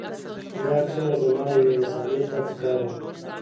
دا عکسونه زما یوې رسالې ته په کار و.